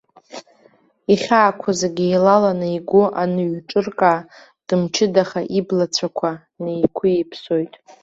Ихьаақәа зегьы еилаланы игәы аныҩҿыркаа, дымчыдаха иблацәақәа неиқәиԥсоит.